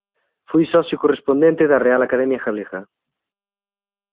Foi socio correspondente da Real Academia Galega.